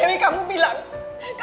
ini adalah nyata